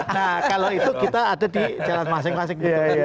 nah kalau itu kita ada di jalan masing masing